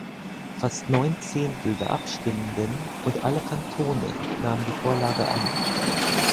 Fast neun Zehntel der Abstimmenden und alle Kantone nahmen die Vorlage an.